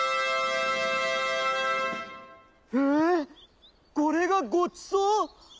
「ええっこれがごちそう！？」。